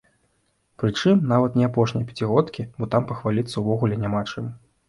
Прычым, нават не апошняй пяцігодкі, бо там пахваліцца ўвогуле няма чым.